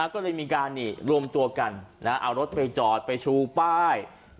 ก็เลยมีการรวมตัวกันเอารถไปจอดไปชูป้าย